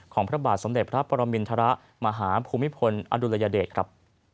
พระบาทสมเด็จพระปรมินทรมาหาภูมิพลอดุลยเดชครับ